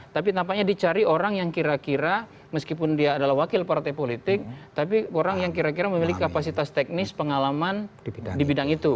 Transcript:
tapi tampaknya dicari orang yang kira kira meskipun dia adalah wakil partai politik tapi orang yang kira kira memiliki kapasitas teknis pengalaman di bidang itu